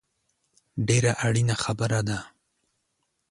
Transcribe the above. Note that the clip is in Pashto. ډېره اړینه خبره ده